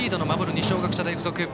二松学舎大付属。